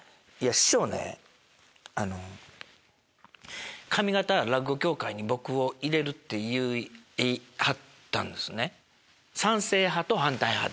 師匠ね上方落語協会に僕を入れるって言いはったんですね。